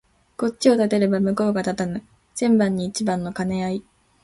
こっちを立てれば向こうが立たぬ千番に一番の兼合い